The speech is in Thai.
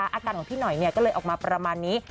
อาการของพี่หน่อยก็เลยออกมาประมาณนี้